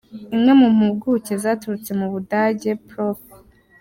Imwe mu mpuguke zaturutse mu Budage, Prof.